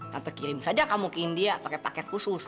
tante kirim aja kamu ke india pakai paket khusus